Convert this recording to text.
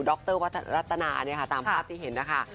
ด๊อคเตอร์วัตรรัตนาเนี่ยค่ะตามภาพที่เห็นนะคะ